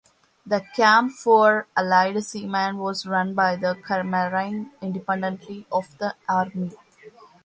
The camp for Allied seamen was run by the "Kriegsmarine" independently of the Army.